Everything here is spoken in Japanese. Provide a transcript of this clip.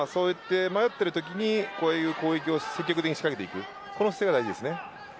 迷っているときにこういった攻撃を積極的に仕掛けてくる姿勢が大事です。